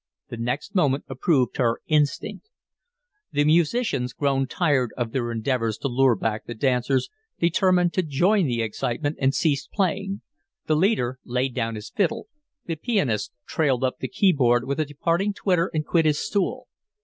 The next moment approved her instinct. The musicians, grown tired of their endeavors to lure back the dancers, determined to join the excitement, and ceased playing. The leader laid down his violin, the pianist trailed up the key board with a departing twitter and quit his stool.